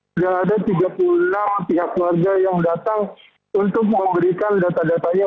sudah ada tiga puluh enam pihak keluarga yang datang untuk memberikan data datanya